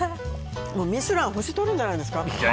ミシュラン星取るんじゃないですか。